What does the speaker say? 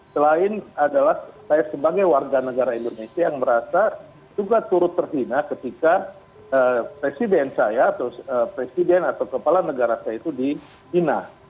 selain adalah saya sebagai warga negara indonesia yang merasa juga turut terhina ketika presiden saya atau presiden atau kepala negara saya itu dihina